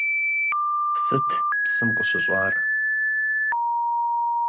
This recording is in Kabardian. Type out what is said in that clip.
Сыт псым къыщыщӀар?